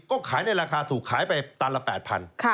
ก็ขายในราคาถูกขายไปตันละ๘๐๐บาท